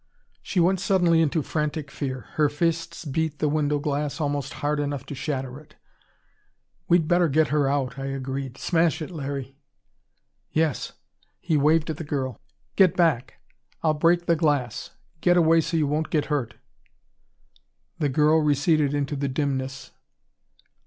She went suddenly into frantic fear. Her fists beat the window glass almost hard enough to shatter it. "We'd better get her out," I agreed. "Smash it, Larry." "Yes." He waved at the girl. "Get back. I'll break the glass. Get away so you won't get hurt." The girl receded into the dimness.